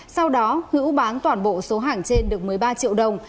sau đó hữu bán toàn bộ số hàng trên được một mươi ba triệu đồng